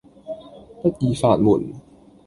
不二法門